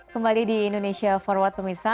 kembali di indonesia for what pemirsa